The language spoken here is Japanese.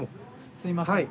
すいません。